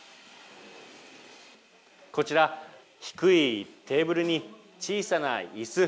こちら、低いテーブルに小さないす。